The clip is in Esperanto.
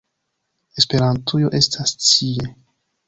- Esperantujo estas ĉie!